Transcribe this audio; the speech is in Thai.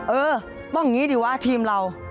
เออต้องอย่างนี้ดีวะทีมเรา